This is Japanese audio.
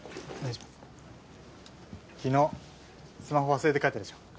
昨日スマホ忘れて帰ったでしょ？